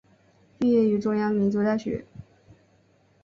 毕业于中央民族大学。